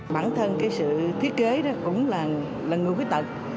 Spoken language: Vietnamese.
bản thân cái sự thiết kế đó cũng là người khuyết tật